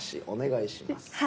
お願いします。